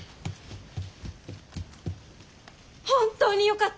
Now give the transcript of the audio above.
本当によかった。